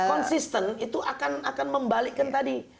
konsisten itu akan membalikkan tadi